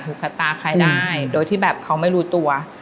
ขัดตาใครได้โดยที่แบบเขาไม่รู้ตัว